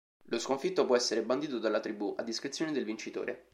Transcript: Lo sconfitto può essere bandito dalla tribù, a discrezione del vincitore.